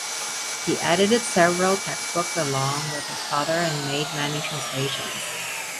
He edited several textbooks along with his father and made many translations.